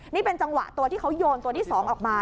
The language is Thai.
นี่เป็นจังหวะตัวที่เขาโยนตัวที่๒ออกมา